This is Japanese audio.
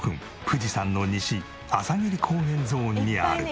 富士山の西朝霧高原ゾーンにある。